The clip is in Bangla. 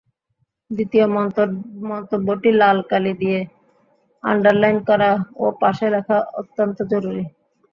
দ্বিতীয় মন্তব্যটি লাল কালি দিয়ে আন্ডারলাইন করা ও পাশে লেখা-অত্যন্ত জরুরি।